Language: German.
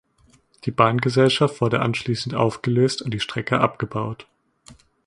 Die Bahngesellschaft wurde anschließend aufgelöst und die Strecke abgebaut.